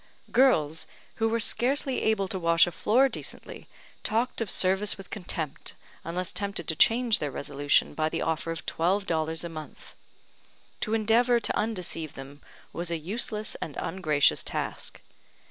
Girls, who were scarcely able to wash a floor decently, talked of service with contempt, unless tempted to change their resolution by the offer of twelve dollars a month. To endeavour to undeceive them was a useless and ungracious task.